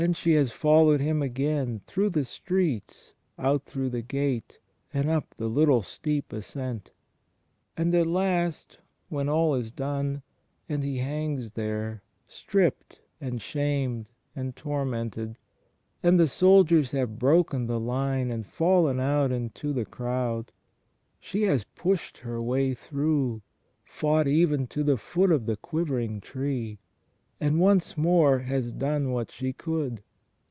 Then she has followed Him again, through the streets, out through the gate, and up the little steep ascent. And, at last, when all is done, and He hangs there, stripped and shamed and tormented, and the soldiers have broken the line and fallen out into the crowd, she has pushed her way through, fought even to the foot of the quivering tree, and once more has "done what she could"